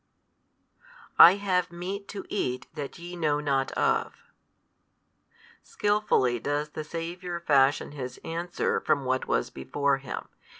I have meat to eat that YE know not of. Skilfully does the Saviour fashion His answer from what was before Him.